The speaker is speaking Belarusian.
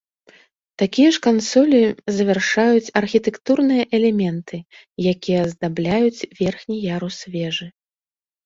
Такія ж кансолі завяршаюць архітэктурныя элементы, якія аздабляюць верхні ярус вежы.